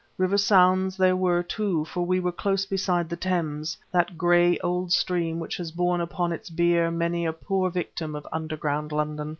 River sounds there were, too, for we were close beside the Thames, that gray old stream which has borne upon its bier many a poor victim of underground London.